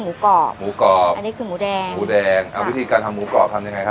กรอบหมูกรอบอันนี้คือหมูแดงหมูแดงเอาวิธีการทำหมูกรอบทำยังไงครับ